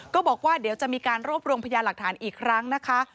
บอกว่าเดี๋ยวจะมีการรวบรวมพยานหลักฐานอีกครั้งนะคะ